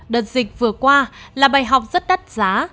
đợt dịch vừa qua là bài học rất đắt giá